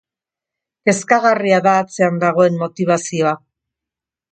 Kezkagarria da atzean dagoen motibazioa.